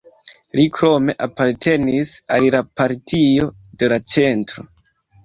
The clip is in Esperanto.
Li krome apartenis al la Partio de la Centro.